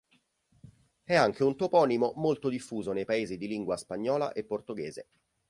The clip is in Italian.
È anche un toponimo molto diffuso nei paesi di lingua spagnola e portoghese.